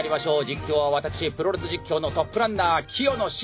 実況は私プロレス実況のトップランナー清野茂樹。